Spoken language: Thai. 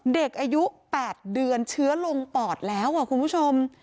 เด็กอายุ๘เดือนเชื้อลงปอดแล้วคุณผู้ชม